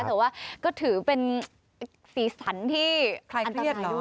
แต่ว่าก็ถือเป็นฝีสันที่อันตรายด้วยใครเครียดหรอ